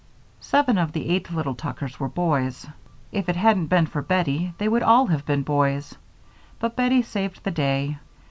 Seven of the eight little Tuckers were boys. If it hadn't been for Bettie they would all have been boys, but Bettie saved the day.